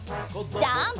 ジャンプ！